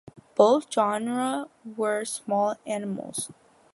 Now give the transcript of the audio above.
Both genera were small animals.